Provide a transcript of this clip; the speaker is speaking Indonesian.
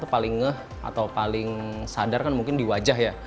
paling ngeh atau paling sadar kan mungkin di wajah ya